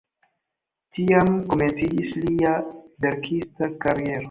Tiam komenciĝis lia verkista kariero.